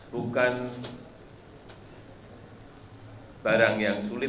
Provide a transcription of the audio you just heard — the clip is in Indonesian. bukan barang yang sulit